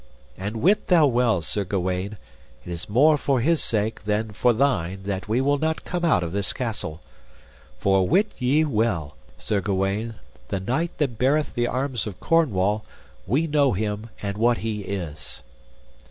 And wit thou well, Sir Gawaine, it is more for his sake than for thine that we will not come out of this castle. For wit ye well, Sir Gawaine, the knight that beareth the arms of Cornwall, we know him and what he is.